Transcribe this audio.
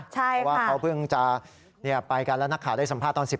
เพราะว่าเขาเพิ่งจะไปกันแล้วนักข่าวได้สัมภาษณ์ตอน๑๐